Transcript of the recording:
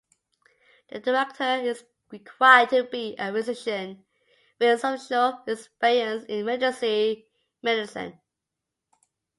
The director is required to be a physician with substantial experience in emergency medicine.